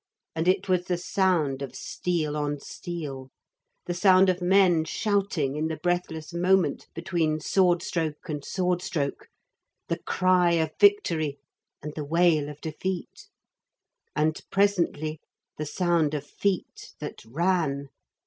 And it was the sound of steel on steel; the sound of men shouting in the breathless moment between sword stroke and sword stroke; the cry of victory and the wail of defeat. And, presently, the sound of feet that ran.